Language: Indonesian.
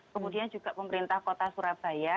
kemudian juga pemerintah kota surabaya